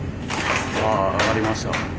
あっ上がりました。